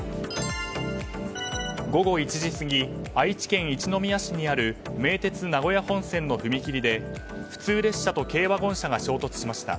午後１時過ぎ愛知県一宮市にある名鉄名古屋本線の踏切で普通列車と軽ワゴン車が衝突しました。